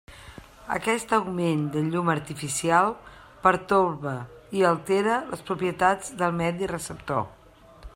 Aquest augment de llum artificial pertorba i altera les propietats del medi receptor.